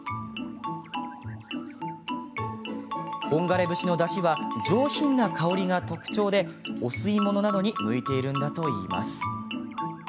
本枯節のだしは上品な香りが特徴でお吸い物などに向いているのだといいます。